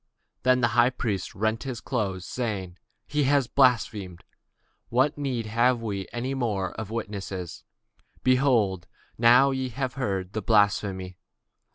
Then the high priest rent his clothes, saying, He hath spoken blasphemy; what further need have we of witnesses? behold, now ye have heard his blasphemy.